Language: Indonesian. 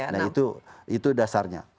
nah itu dasarnya